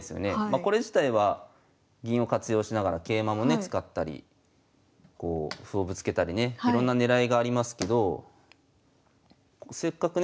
これ自体は銀を活用しながら桂馬もね使ったりこう歩をぶつけたりねいろんな狙いがありますけどせっかくね